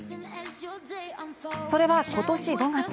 それは、今年５月。